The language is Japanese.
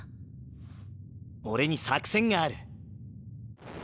俺に作戦がある。